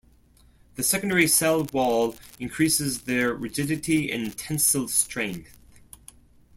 The secondary cell wall increases their rigidity and tensile strength.